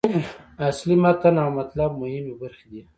اصلي متن او مطلب مهمې برخې دي.